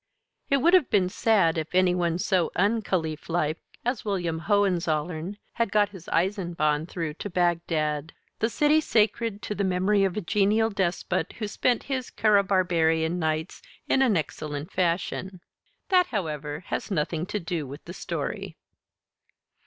It would have been sad if any one so un Caliphlike as William Hohenzollern had got his eisenbahn through to Bagdad, the city sacred to the memory of a genial despot who spent his cabarabian nights in an excellent fashion. That, however, has nothing to do with the story.